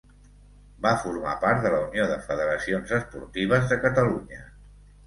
Va formar part de la Unió de Federacions Esportives de Catalunya.